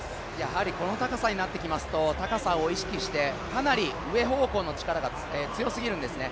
この高さになってきますと、高さを意識してかなり上方向の力が強すぎるんですね。